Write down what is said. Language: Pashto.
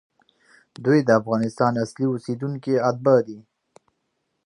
دوی د افغانستان اصلي اوسېدونکي، اتباع دي،